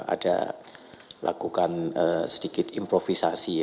ada lakukan sedikit improvisasi